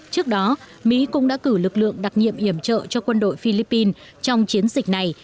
trước đó mỹ cũng đã cử lực lượng đặc nhiệm yểm trợ cho quân đội philippines trong chiến dịch này